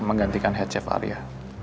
menggantikan head chef arya